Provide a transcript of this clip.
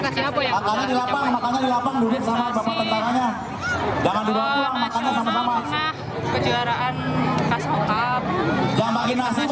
sudah berapa kali terjun selama ini